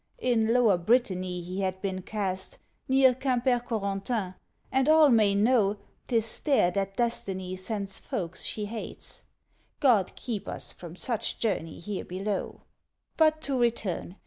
(In Lower Brittany he had been cast, Near Quimper Corentin, and all may know 'Tis there that Destiny sends folks she hates. God keep us from such journey here below!) But to return.